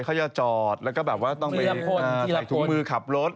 เขาจะจอดแล้วก็แบบว่าต้องไปใส่ถุงมือขับรถ